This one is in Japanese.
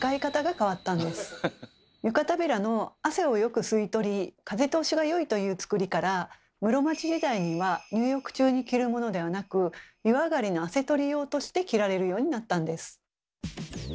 湯帷子の汗をよく吸い取り風通しが良いというつくりから室町時代には入浴中に着るものではなく湯上がりの汗取り用として着られるようになったんです。